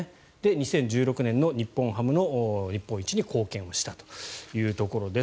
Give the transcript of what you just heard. ２０１６年の日本ハムの日本一に貢献したというところです。